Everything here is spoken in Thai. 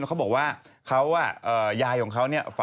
เขาบอกว่าเขายายของเขาเนี่ย